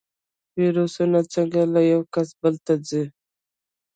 ویروسونه څنګه له یو کس بل ته ځي؟